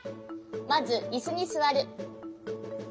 まずいすにすわる。